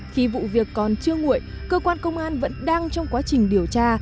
khi vụ việc còn chưa nguội cơ quan công an vẫn đang trong quá trình điều tra